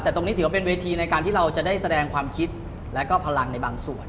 แต่ตรงนี้ถือว่าเป็นเวทีในการที่เราจะได้แสดงความคิดและก็พลังในบางส่วน